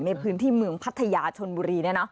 ในพื้นที่เมืองพัทยาชนบุรี